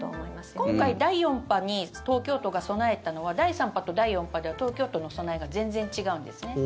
今回第４波に東京都が備えたのは第３波と第４波では東京都の備えが全然違うんですね。